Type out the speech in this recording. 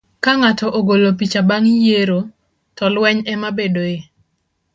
Ka ng'ato ogolo picha bang ' yiero, to lweny ema bedoe.